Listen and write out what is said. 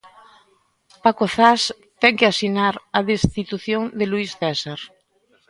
Paco Zas ten que asinar a destitución de Luís César.